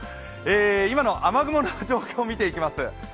今の雨雲の状況を見ていきます。